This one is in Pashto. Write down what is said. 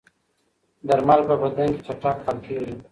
درمل په بدن کې چټک حل کېږي.